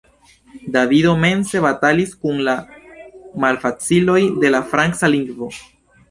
Davido mense batalis kun la malfaciloj de la Franca lingvo.